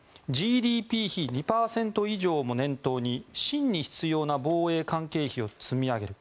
ＧＤＰ比２％以上も念頭に真に必要な防衛関係費を積み上げる。